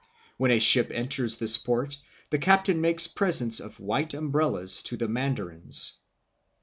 When a ship enters this port, the captain makes presents of white umbrellas (to the mandarins).